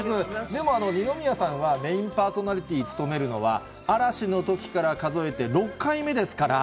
でも、二宮さんはメインパーソナリティー務めるのは、嵐のときから数えそうなんですよ。